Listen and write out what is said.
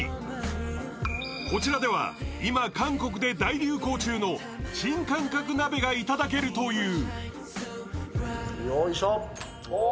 こちらでは今、韓国で大流行中の新感覚鍋が頂けるという。